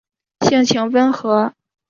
性情温和。